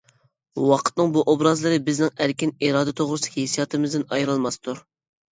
ۋاقىتنىڭ بۇ ئوبرازلىرى بىزنىڭ ئەركىن ئىرادە توغرىسىدىكى ھېسسىياتىمىزدىن ئايرىلماستۇر.